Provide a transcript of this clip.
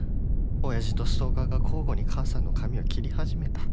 親父とストーカーが交互に母さんの髪を切り始めた